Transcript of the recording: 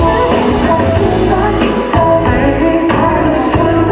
อย่างนั้นก็อยู่ตอนที่เขาโหล